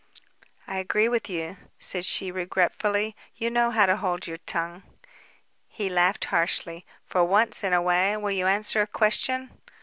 "I agree with you," said she regretfully. "You know how to hold your tongue." He laughed harshly. "For once in a way, will you answer a question?"